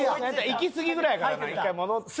行きすぎぐらいからな１回戻って。